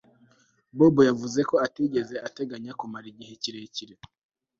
Bobo yavuze ko atigeze ateganya kumara igihe kirekire